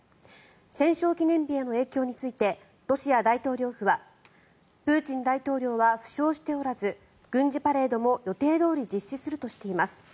戦勝記念日への影響についてロシア大統領府はプーチン大統領は負傷しておらず軍事パレードも予定どおり実施するとしています。